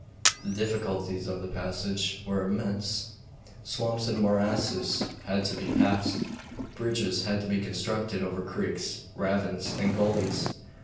The difficulties of the passage were immense: swamps and morasses had to be passed, bridges had to be constructed over creeks, ravines, and gulleys.